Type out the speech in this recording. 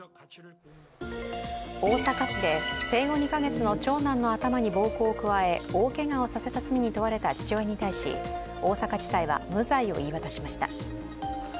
大阪市で生後２か月の長男の頭に暴行を加え大けがをさせた罪に問われた父親に対し大阪地裁は無罪を言い渡しました。